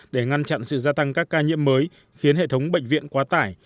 để ngăn chặn sự gia tăng các ca nhiễm mới khiến hệ thống bệnh viện quá tải